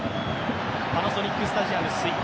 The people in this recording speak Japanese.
パナソニックスタジアム吹田